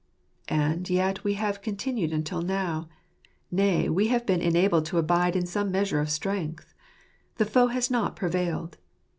And yet we have continued until now; nay, we have been enabled to abide in some measure of strength. The foe has not prevailed.